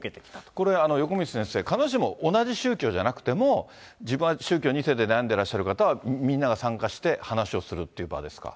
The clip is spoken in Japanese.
これ、横道先生、必ずしも同じ宗教じゃなくても、自分は宗教２世で悩んでらっしゃる方は、みんなが参加して話をするという場ですか。